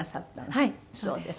はいそうです。